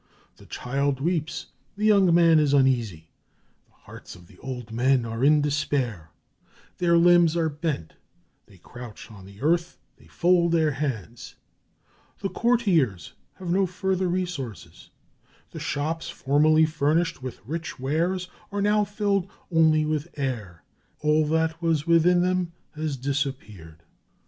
The child weeps, the young man is uneasy, the hearts of the old men are in despair, their limbs are bent, they crouch on the earth, they fold their hands; the courtiers have no further resources; the shops formerly furnished with rich wares are now filled only with air, all that was within them has disappeared.